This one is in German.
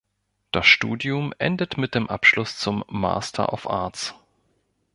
Das Studium endet mit dem Abschluss zum Master of Arts.